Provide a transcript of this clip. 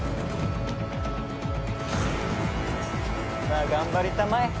まあ頑張りたまえ。